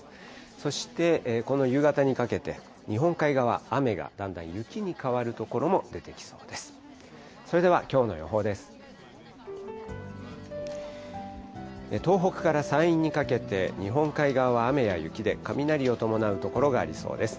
そして、この夕方にかけて、日本海側、雨がだんだん雪に変わる所も出てきそうです。